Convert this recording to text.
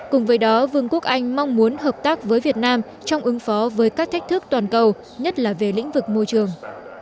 cùng với đó vương quốc anh mong muốn hợp tác với việt nam trong ứng phó với các thách thức toàn cầu nhất là về lĩnh vực môi trường